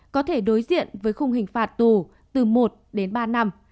có thể đối diện với khung hình phạt tù từ một đến ba năm